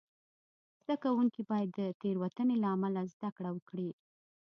زده کوونکي باید د تېروتنې له امله زده کړه وکړي.